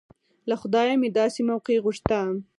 له خدايه مې داسې موقع غوښته.